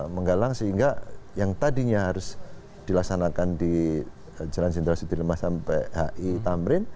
menggalang sehingga yang tadinya harus dilaksanakan di jalan sindra sudirman sampai hi tamrin